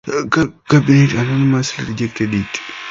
Cabinet unanimously rejected it.